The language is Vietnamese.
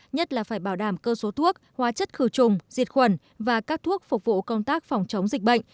nhất là phải bảo đảm cơ số thuốc hóa chất khử trùng diệt khuẩn và các thuốc phục vụ công tác phòng chống dịch bệnh